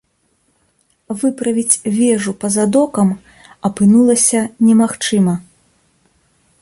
Выправіць вежу па-за докам апынулася немагчыма.